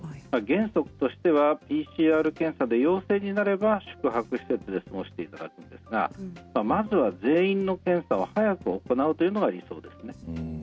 原則としては、ＰＣＲ検査で陽性になれば宿泊施設で過ごしていただくんですがまずは全員の検査を早く行うというのが理想ですね。